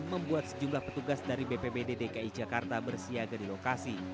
membuat sejumlah petugas dari bpbd dki jakarta bersiaga di lokasi